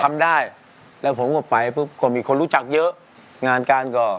มันไม่ทันคติกมันใกล้กว่าอืม